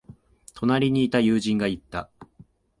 隣にいた友人が言った。